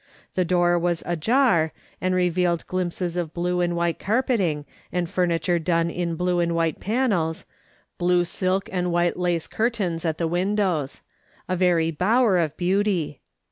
The door was ajar, and revealed glimpses of blue and white carpeting, and furniture done in blue and white panels, blue silk and white lace curtains at the windows — a very bower of beauty.